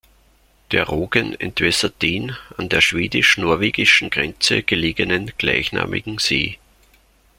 Der Rogen entwässert den an der schwedisch-norwegischen Grenze gelegenen gleichnamigen See.